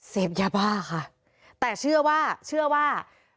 เสพยาบ้าค่ะแต่เชื่อว่าเชื่อว่า